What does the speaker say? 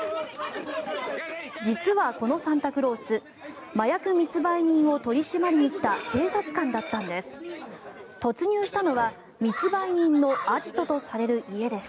実はこのサンタクロース麻薬密売人を取り締まりに来た警察官だったんです。